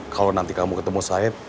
kalau nanti kamu ketemu said